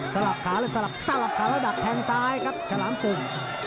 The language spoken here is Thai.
สลับขาสลับขาแล้วดับแทงซ้ายครับฉลามสุ่ง